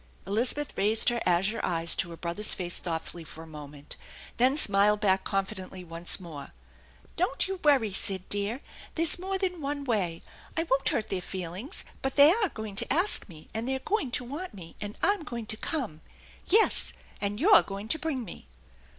Elizabeth raised her azure eyes to her brother's face thoughtfully for a moment, then smiled back confidently once more. " Don't you worry, Sid, dear ; there's more than one way. I won't hurt their feelings, but they're going to ask me, and they're going to want me, and I'm going to come. Yes, and you're going to bring me